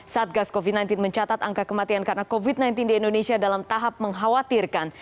satgas covid sembilan belas mencatat angka kematian karena covid sembilan belas di indonesia dalam tahap mengkhawatirkan